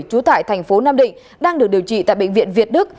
trú tại thành phố nam định đang được điều trị tại bệnh viện việt đức